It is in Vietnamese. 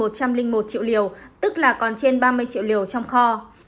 một triệu liều tức là còn trên ba mươi triệu liều trong kho